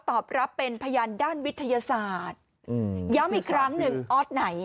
ตอบรับเป็นพยานด้านวิทยาศาสตร์ย้ำอีกครั้งหนึ่งออสไหน